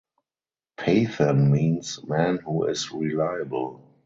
Pathan means man who is reliable.